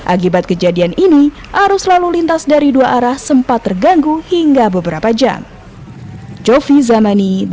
akibat kejadian ini arus lalu lintas dari dua arah sempat terganggu hingga beberapa jam